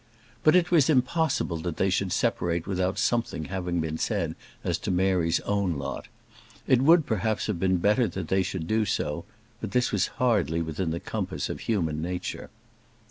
But it was impossible that they should separate without something having been said as to Mary's own lot. It would, perhaps, have been better that they should do so; but this was hardly within the compass of human nature.